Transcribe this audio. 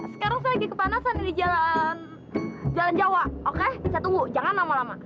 sekarang saya lagi kepanasan ini jalan jawa oke saya tunggu jangan lama lama